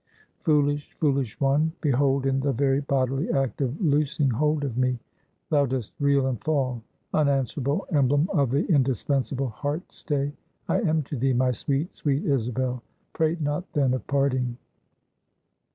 "Foolish, foolish one! Behold, in the very bodily act of loosing hold of me, thou dost reel and fall; unanswerable emblem of the indispensable heart stay, I am to thee, my sweet, sweet Isabel! Prate not then of parting."